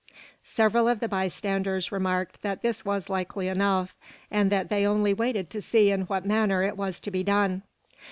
Several of the bystanders remarked that that was likely enough, and that they only waited to see in what manner it was to be done.